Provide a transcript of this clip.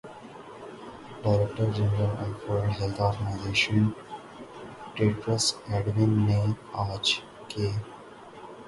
director general of world health organisation Tedros اڈینو نے آج کہ